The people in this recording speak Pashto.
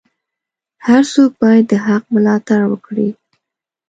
هر څوک باید د حق ملاتړ وکړي.